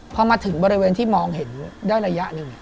พอมาถึงบริเวณที่มองเห็นได้ระยะหนึ่ง